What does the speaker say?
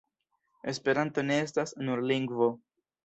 Esperanto ne estas nur lingvo.